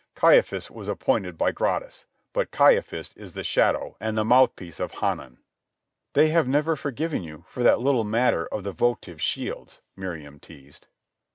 "Caiaphas was appointed by Gratus, but Caiaphas is the shadow and the mouthpiece of Hanan." "They have never forgiven you that little matter of the votive shields," Miriam teased.